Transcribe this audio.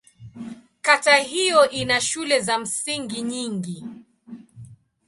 Kata hiyo ina shule za msingi nyingi.